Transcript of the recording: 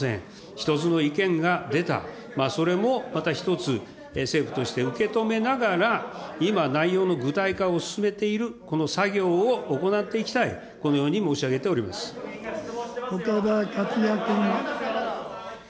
一つの意見が出た、それもまた一つ、政府として受け止めながら、今内容の具体化を進めている、この作業を行っていきたい、岡田克也君。